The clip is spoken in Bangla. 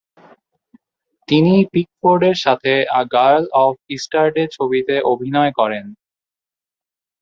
তিনি পিকফোর্ডের সাথে আ গার্ল অব ইস্টারডে ছবিতে অভিনয় করেন।